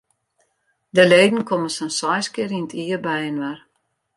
De leden komme sa'n seis kear yn it jier byinoar.